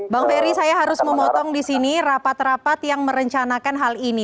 bang ferry saya harus memotong di sini rapat rapat yang merencanakan hal ini